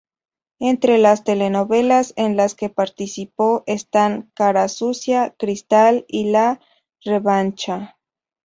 Entre las telenovelas en las que participó están Cara Sucia, Cristal y La Revancha.